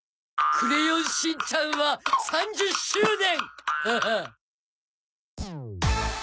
『クレヨンしんちゃん』は３０周年！